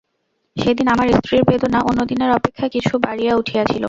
সেদিন আমার স্ত্রীর বেদনা অন্য দিনের অপেক্ষা কিছু বাড়িয়া উঠিয়াছিল।